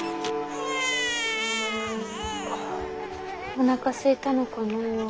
おなかすいたのかな？